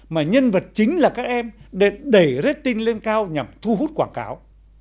mà nhân vật chính là các em để đẩy reding lên cao nhằm thu hút quảng cáo